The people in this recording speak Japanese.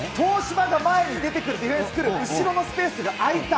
東芝が前に出てくる、ディフェンスくる、後ろのスペースが空いた。